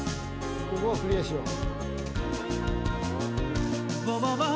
ここクリアしよう。